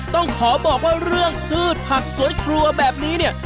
ต้องขอบอกว่าเรื่องพืชผักสวยครัวแบบนี้เนี่ย